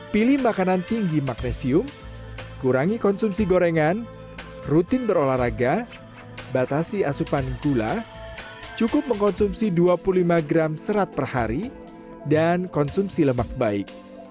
pilih makanan tinggi magnesium kurangi konsumsi gorengan rutin berolahraga batasi asupan gula cukup mengkonsumsi dua puluh lima gram serat per hari dan konsumsi lemak baik